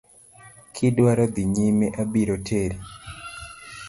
Kidwaro dhi nyime abiro teri.